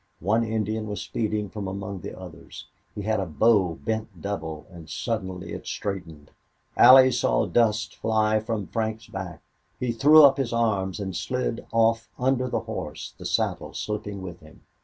One Indian was speeding from among the others. He had a bow bent double, and suddenly it straightened. Allie saw dust fly from Frank's back. He threw up his arms and slid off under the horse, the saddle slipping with him.